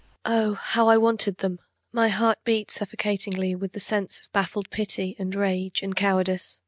Oh, how I wanted them! My heart beat suffocatingly with the sense of baffled pity and rage and cowardice.